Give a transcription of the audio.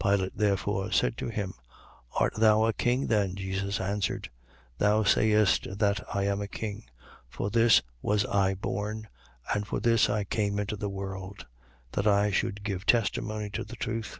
18:37. Pilate therefore said to him: Art thou a king then? Jesus answered: Thou sayest that I am a king. For this was I born, and for this came I into the world; that I should give testimony to the truth.